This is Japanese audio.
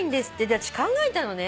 私考えたのね。